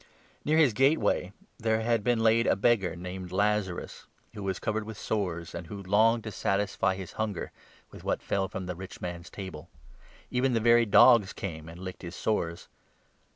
Near his gateway there had 20 been laid a beggar named Lazarus, who was covered with sores, and who longed to satisfy his hunger with what fell from the 21 rich man's table. Even the very dogs came and licked his sores.